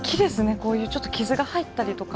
こういうちょっと傷が入ったりとか。